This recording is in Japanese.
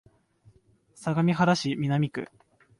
相模原市南区